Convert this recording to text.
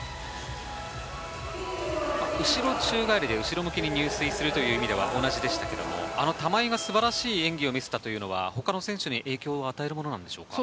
後ろ宙返りで後ろ向きに入水するという意味では同じでしたが、玉井が素晴らしい演技を見せたのは他の選手には影響を与えるものですか？